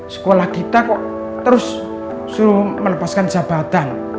sekolah kita kok terus suruh melepaskan jabatan